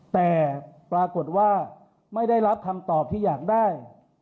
แต่ปรากฏว่าไม่ได้รับคำตอบที่อยากได้